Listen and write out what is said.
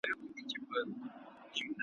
ته چي ځې روښنایي لاړه زما دسترګو